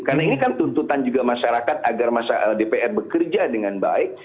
karena ini kan tuntutan juga masyarakat agar masyarakat dpr bekerja dengan baik